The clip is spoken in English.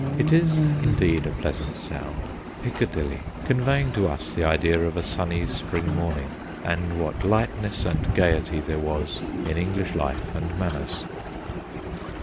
It is, indeed, a pleasant sound, Piccadilly, conveying to us the idea of a sunny spring morning and what lightness and gaiety there was in English life and manners.